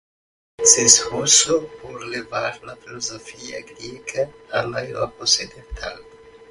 Se esforzó por llevar la filosofía griega a la Europa Occidental.